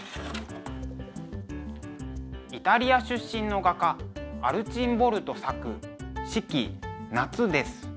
イタリア出身の画家アルチンボルド作「四季夏」です。